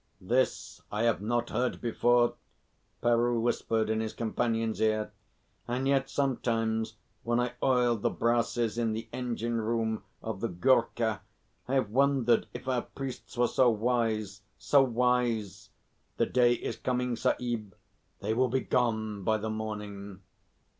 "This I have not heard before," Peroo whispered in his companion's ear. "And yet sometimes, when I oiled the brasses in the engine room of the Goorkha, I have wondered if our priests were so wise so wise. The day is coming, Sahib. They will be gone by the morning."